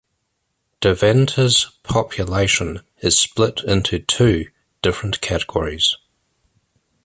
Derventa's population is split into two different categories.